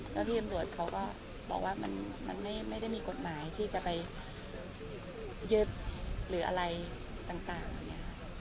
เจ้าที่ตำรวจเขาก็บอกว่ามันไม่ได้มีกฎหมายที่จะไปยึดหรืออะไรต่างอย่างนี้ค่ะ